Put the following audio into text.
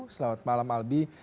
selamat malam albi